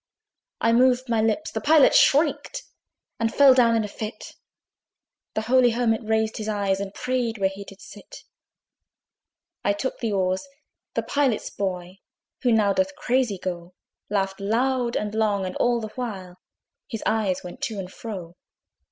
I moved my lips the Pilot shrieked And fell down in a fit; The holy Hermit raised his eyes, And prayed where he did sit. I took the oars: the Pilot's boy, Who now doth crazy go, Laughed loud and long, and all the while His eyes went to and fro.